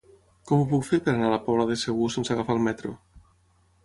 Com ho puc fer per anar a la Pobla de Segur sense agafar el metro?